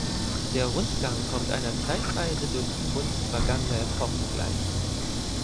Der Rundgang kommt einer Zeitreise durch die Kunst vergangener Epochen gleich.